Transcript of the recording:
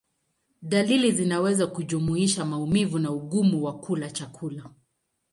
Dalili zinaweza kujumuisha maumivu na ugumu wa kula chakula.